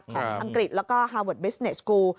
อังกฤษแล้วก็ฮาเวิร์ดบิสเนสกู